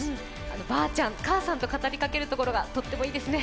ばーちゃん、かーさんと語りかけるところが、とってもいいですね。